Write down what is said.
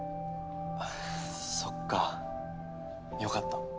そっかよかった。